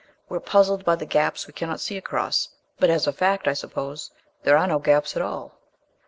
We're puzzled by the gaps we cannot see across, but as a fact, I suppose, there are no gaps at all."